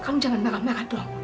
kamu jangan marah marah dong